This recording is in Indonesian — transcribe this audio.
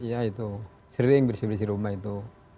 ya itu sering bersih bersih rumah itu